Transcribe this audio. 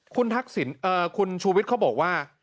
คุณทักษิณคุณชูวิทย์เขาบอกว่า